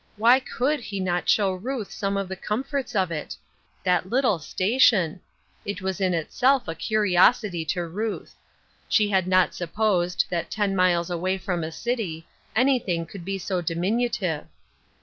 Why could he not show Ruth some of the comforts of it ? That little station ! It was in itself a curiosity to Ruth. She had not supposed, that ten miles away from a city, anything could be so diminutive.